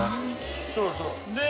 そうそう。